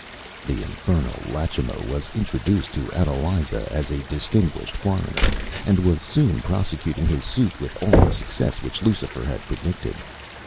The infernal Iachimo was introduced to Adeliza as a distinguished foreigner, and was soon prosecuting his suit with all the success which Lucifer had predicted.